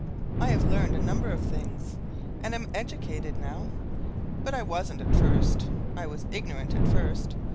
I have learned a number of things, and am educated, now, but I wasn't at first. I was ignorant at first.